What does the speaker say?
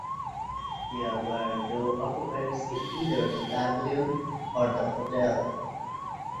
There were no occupants in either the Pavilion or the hotel.